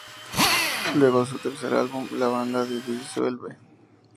Luego de su tercer álbum, la banda de disuelve.